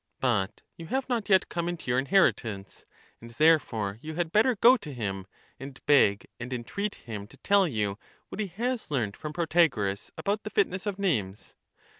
But you have not yet come into your inheritance, and therefore you had better go to him, and beg and entreat him to tell you what he has learnt from Protagoras about the fitness of names.